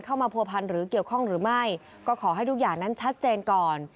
เข้ามาผัวพันธ์หรือเกี่ยวข้องหรือไม่ก็ขอให้ทุกอย่างนั้นชัดเจนก่อน